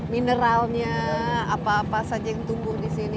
mineralnya apa apa saja yang tumbuh disini